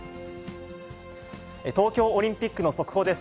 東京オリンピックの速報です。